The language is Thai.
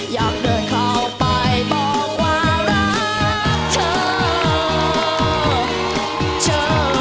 อยากเดินเข้าไปบอกว่ารักเธอ